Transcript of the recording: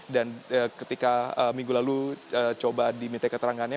dan ketika minggu lalu coba diminta keterangannya